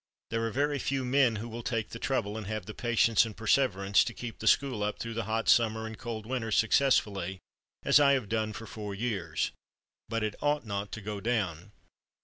There are very few men who will take the trouble and have the patience and perseverance to keep the school up through the hot summer and cold winter successfully as I have done for four years. But it ought not to go down."